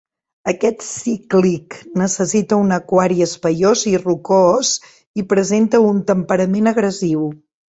Aquest cíclid necessita un aquari espaiós i rocós i presenta un temperament agressiu.